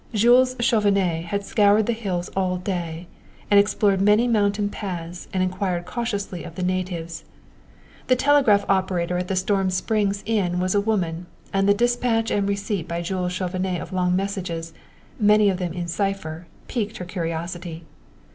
Jules Chauvenet had scoured the hills all day and explored many mountain paths and inquired cautiously of the natives. The telegraph operator at the Storm Springs inn was a woman, and the despatch and receipt by Jules Chauvenet of long messages, many of them in cipher, piqued her curiosity.